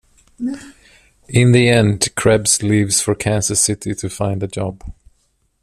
In the end, Krebs leaves for Kansas City to find a job.